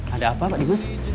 ada apa pak dimas